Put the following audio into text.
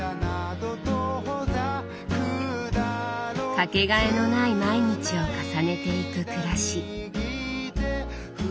掛けがえのない毎日を重ねていく暮らし。